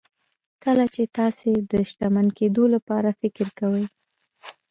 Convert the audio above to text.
کله چې تاسې د شتمن کېدو لپاره فکر کوئ.